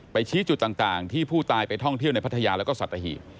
ชี้จุดต่างที่ผู้ตายไปท่องเที่ยวในพัทยาแล้วก็สัตหีบ